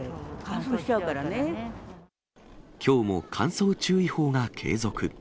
きょうも乾燥注意報が継続。